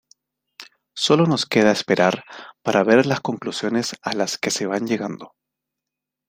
Sólo nos queda esperar para ver las conclusiones a las que se van llegando.